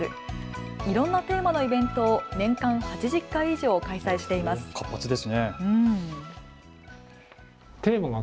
いろんなテーマのイベントを年間８０回以上開催しています。